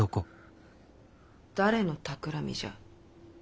誰のたくらみじゃ？